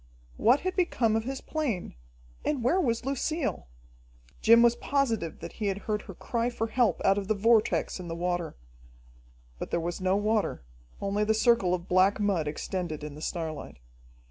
What had become of his plane, and where was Lucille? Jim was positive that he had heard her cry for help out of the vortex in the water. But there was no water, only the circle of black mud extended in the starlight.